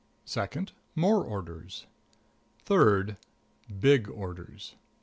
Second More Orders. Third Big Orders.